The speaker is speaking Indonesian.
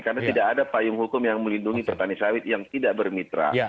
karena tidak ada payung hukum yang melindungi petani sawit yang tidak bermitra